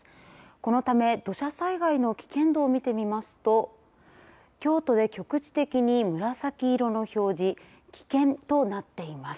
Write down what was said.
このため、土砂災害の危険度を見てみますと京都で局地的に紫色の表示危険となっています。